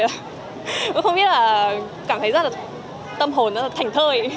tôi không biết là cảm thấy rất là tâm hồn rất là thành thơi